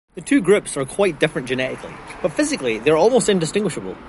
The two groups are quite different genetically, but physically they are almost indistinguishable.